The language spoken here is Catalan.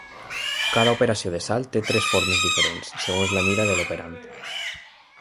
Cada operació de salt té tres formes diferents, segons la mida de l'operand.